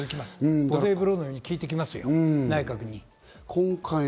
ボディブローのように効いてきますよ、内閣に。